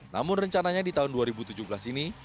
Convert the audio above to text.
namun rencananya di tahun dua ribu tujuh belas ini